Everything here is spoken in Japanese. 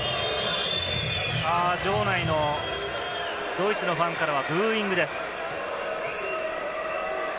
場内のドイツのファンからはブーイングです。